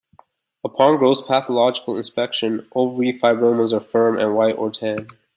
Upon gross pathological inspection, ovary fibromas are firm and white or tan.